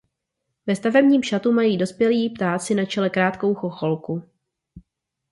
Ve svatebním šatu mají dospělí ptáci na čele krátkou chocholku.